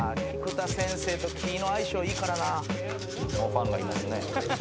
ファンがいますね。